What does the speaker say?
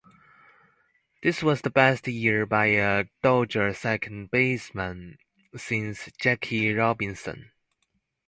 This was the best year by a Dodger second baseman since Jackie Robinson.